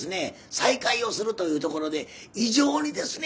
再会をするというところで異常にですね